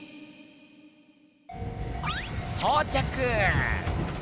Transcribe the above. とうちゃく！